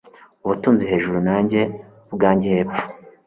ubutunzi hejuru nanjye ubwanjye hepfo